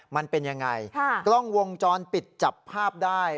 มันเป็นยังไงกล้องวงจรปิดจับภาพได้